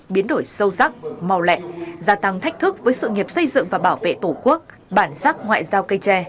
biến đổi sâu sắc màu lẹ gia tăng thách thức với sự nghiệp xây dựng và bảo vệ tổ quốc bản sắc ngoại giao cây tre